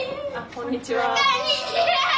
こんにちは！